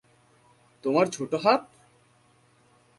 তোমার ছোট হাত?